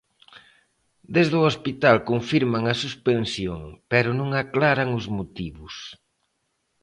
Desde o hospital confirman a suspensión pero non aclaran os motivos.